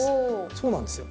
そうなんですよ。